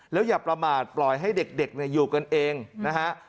แล้วอย่าประมาทปล่อยให้เด็กอยู่กันเองนะฮะ